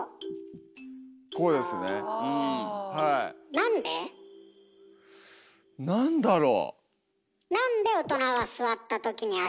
何だろう？